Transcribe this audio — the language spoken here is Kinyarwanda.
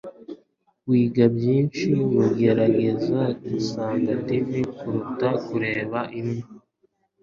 Wiga byinshi mugerageza gusana TV kuruta kureba imwe.